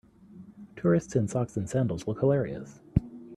Tourists in socks and sandals look hilarious.